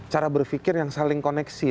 cara berpikir yang saling koneksi